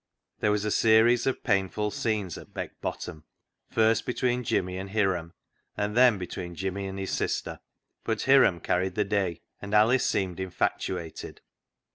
There was a series of painful scenes at Beck Bottom, first between Jimmy and Hiram, and then between Jimmy and his sister, but Hiram carried the day, and Alice seemed infatuated.